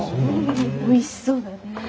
おいしそうだね。